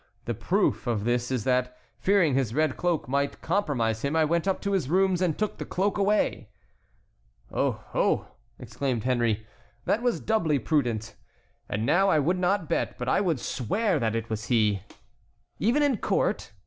The proof of this is that, fearing his red cloak might compromise him, I went up to his rooms and took the cloak away." "Oh! oh!" exclaimed Henry, "that was doubly prudent. And now I would not bet, but I would swear, that it was he." "Even in court?"